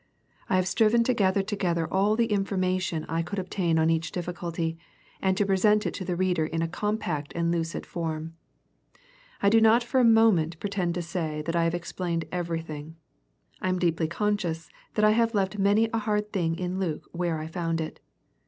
I have striven to gather together all the information I could obtain on each difficulty, and to present it to the reader in a compact and lucid form. I do not for a moment pretend to say that I have explained every thing. I am deeply conscious that I have left many a hard thing in St. Luke where I found it.